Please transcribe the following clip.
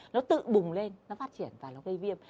nó tự bùng lên nó phát triển và nó gây viêm